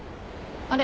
あれ？